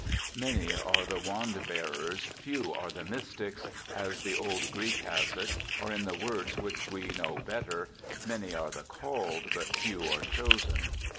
Many are the wand bearers, few are the mystics, as the old Greek has it, or, in the words which we know better, ' Many are called, but few are chosen.'